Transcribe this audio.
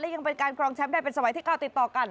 ยังเป็นการครองแชมป์ได้เป็นสมัยที่๙ติดต่อกัน